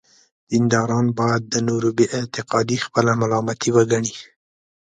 دینداران باید د نورو بې اعتقادي خپله ملامتي وګڼي.